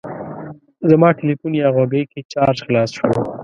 زما تلیفون یا غوږۍ کې چارج خلاص شو.